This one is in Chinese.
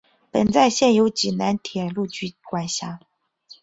本站现由济南铁路局管辖。